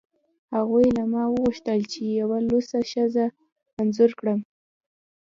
هغوی له ما وغوښتل چې یوه لوڅه ښځه انځور کړم